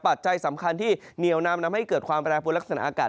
ปัจจัยสำคัญที่เหนียวนำทำให้เกิดความแปรปวดลักษณะอากาศ